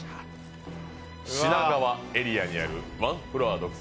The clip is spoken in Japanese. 品川エリアにあるワンフロア独占！